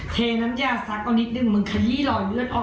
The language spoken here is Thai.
เทน้ำยาศักดิ์เอานิดนึง